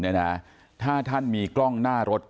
เนี่ยนะถ้าท่านมีกล้องหน้ารถ